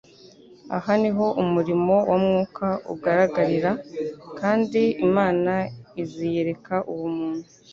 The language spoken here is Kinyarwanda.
aho niho umurimo wa Mwuka ugaragarira, kandi Imana iziyereka uwo muntu